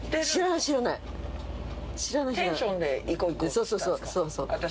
そうそうそうそう。